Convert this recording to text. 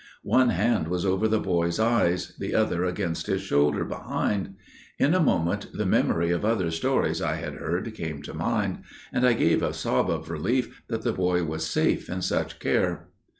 One hand was over the boy's eyes, the other against his shoulder behind. In a moment the memory of other stories I had heard came to mind––and I gave a sob of relief that the boy was safe in such care.